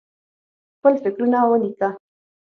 خپل فکرونه ولیکه.